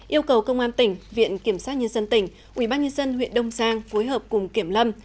yêu cầu công an tỉnh viện kiểm sát nhân dân tỉnh ubnd huyện đông giang phối hợp cùng kiểm lâm